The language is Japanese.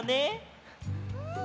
うん。